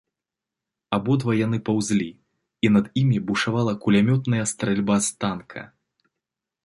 Абодва яны паўзлі, і над імі бушавала кулямётная стральба з танка.